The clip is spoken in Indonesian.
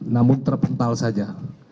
namun terpental saja